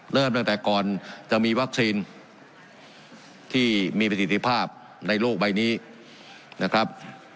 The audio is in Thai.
เริ่มตั้งแต่ก่อนจะมีวัคซีนที่มีประสิทธิภาพในโลกใบนี้นะครับ